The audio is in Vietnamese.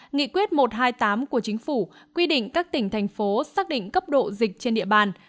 nghị quyết một trăm hai mươi tám của chính phủ quy định các tỉnh thành phố xác định cấp độ dịch trên địa bàn